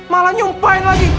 malah nyumpain lagi